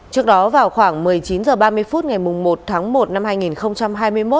trước đó vào khoảng một mươi chín h ba mươi phút ngày một tháng một năm hai nghìn hai mươi một